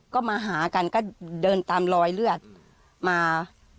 ก็มาหากันก็เดินตามรอยเลือดมา